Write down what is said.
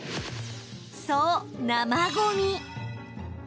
そう、生ごみ。